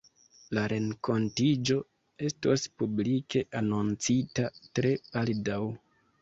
La renkontiĝo estos publike anoncita tre baldaŭ.